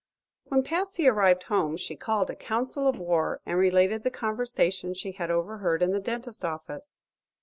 When Patsy arrived home she called a council of war and related the conversation she had overheard in the dentist's office.